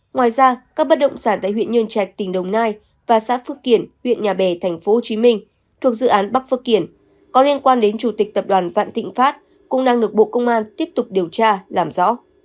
ngoài ra các bất động sản tại huyện nhân trạch tỉnh đồng nai và xã phước kiển huyện nhà bè tp hcm thuộc dự án bắc phước kiển có liên quan đến chủ tịch tập đoàn vạn thịnh pháp cũng đang được bộ công an tiếp tục điều tra làm rõ